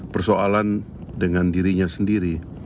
persoalan dengan dirinya sendiri